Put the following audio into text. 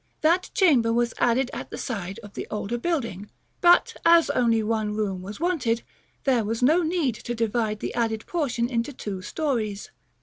That chamber was added at the side of the older building; but, as only one room was wanted, there was no need to divide the added portion into two stories.